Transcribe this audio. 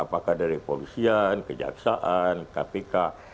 apakah dari polisian kejaksaan kpk terhadap alam kesehatan terhadap hal ini